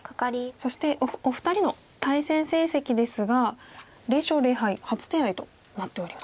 そしてお二人の対戦成績ですが０勝０敗初手合となっております。